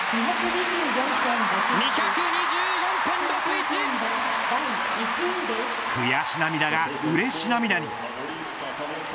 ２２４．６１．悔し涙がうれし涙に。